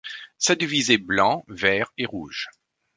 Sa devise est blanc, vert et rouge.